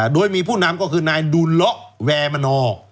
โดยมีผู้นำก็คือนายดุลละแวมนอร์